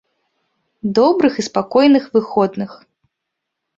Добрых і спакойных выходных!